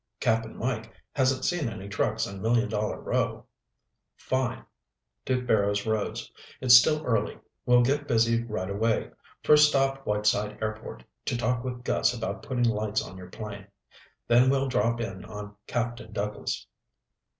Cap'n Mike hasn't seen any trucks on Million Dollar Row." "Fine." Duke Barrows rose. "It's still early. We'll get busy right away. First stop Whiteside Airport to talk with Gus about putting lights on your plane. Then we'll drop in on Captain Douglas."